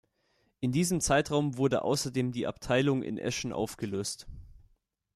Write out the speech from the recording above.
In diesem Zeitraum wurde ausserdem die Abteilung in Eschen aufgelöst.